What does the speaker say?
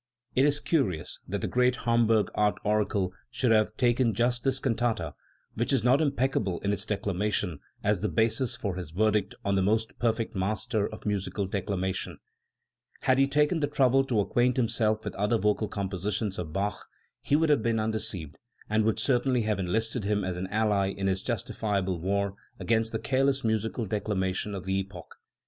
It is curious that the great Hamburg art oracle should have taken just this cantata, which is not impeccable in its declamation, as the basis for his verdict on the most perfect master of musical declamation 1 Had he taken the trouble to acquaint himself with other vocal compositions of Bach he would have been undeceived, and would cer tainly have enlisted him as an ally in his justifiable war against the careless musical declamation of the epoch.